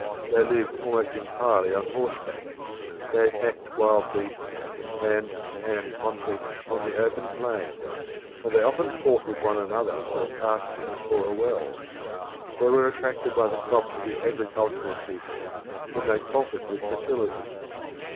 They lived almost entirely on horseback; they attacked wild beasts in hand to hand conflict on the open plain, and they often fought with one another for a pasture or a well. They were attracted by the crops of the agricultural people, whom they conquered with facility.